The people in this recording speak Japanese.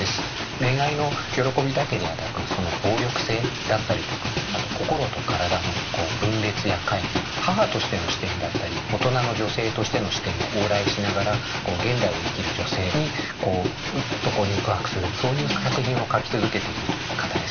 恋愛の喜びだけではなくその暴力性だったりとかあと心と体の分裂やかい離母としての視点だったり大人の女性としての視点を往来しながら現代を生きる女性にこうウッとこう肉薄するそういう作品を書き続けているという方ですね。